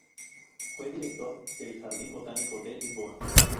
Fue director del Jardín Botánico de Lisboa.